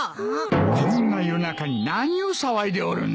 こんな夜中に何を騒いでおるんだ。